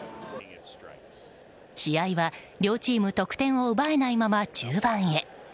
試合は両チーム得点を奪えないまま中盤へ。